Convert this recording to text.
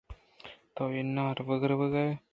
تو نان/ورگ ورگ ءَ ئے۔